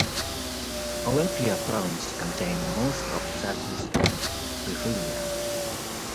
Olympia Province contained most of Pisatis and Triphylia.